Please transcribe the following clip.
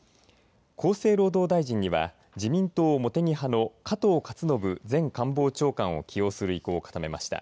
厚生労働大臣には自民党茂木派の加藤勝信前官房長官を起用する意向を固めました。